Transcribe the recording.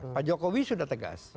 pak jokowi sudah tegas